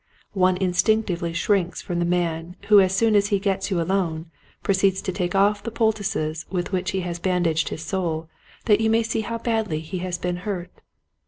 One instinctively shrinks from the man who as soon as he gets you alone proceeds to take off the poultices with which he has bandaged his soul that you may see how badly he has been hurt.